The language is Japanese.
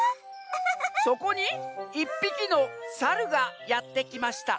「そこにいっぴきのサルがやってきました」。